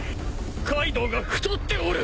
カイドウが太っておる！